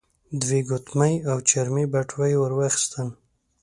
دوې ګوتمۍ او چرمې بټوه يې ور واخيستل.